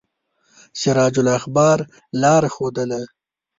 سراج الاخبار لاره ښودله.